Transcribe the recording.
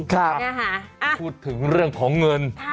พูดถึงเรื่องของเงิน